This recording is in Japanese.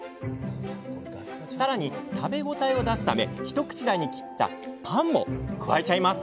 更に食べ応えを出すため一口大に切ったパンも加えちゃいます。